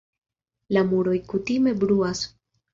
La muroj kutime bruas.